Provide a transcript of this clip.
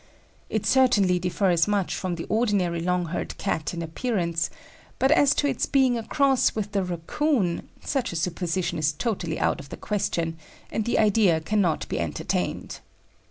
It certainly differs much from the ordinary long haired Cat in appearance; but as to its being a cross with the Racoon, such a supposition is totally out of the question, and the idea cannot be entertained.